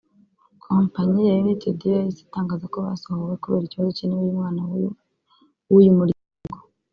Kompanyi ya United yo yahise itangaza ko basohowe kubera ikibazo cy’intebe y’umwana w’uyu muryango